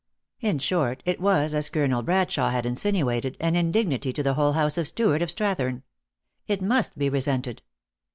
In short, it was, as Colonel Bradshawe had insinuated, an indignity to the whole house of Stewart of Strath ern. It must be resented.